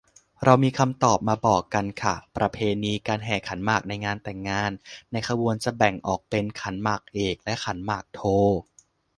เรามีคำตอบมาบอกกันค่ะ ประเพณีการแห่ขันหมากในงานแต่งงาน ในขบวนจะแบ่งออกเป็น ขันหมากเอก และ ขันหมากโท